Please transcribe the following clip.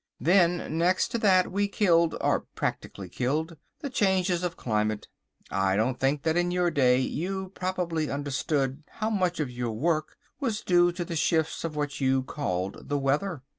"Then next to that we killed, or practically killed, the changes of climate. I don't think that in your day you properly understood how much of your work was due to the shifts of what you called the weather.